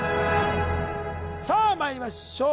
さあまいりましょう